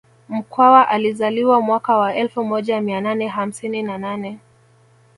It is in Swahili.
Mkwawa alizaliwa mwaka wa elfu moja mia nane hamsini na nane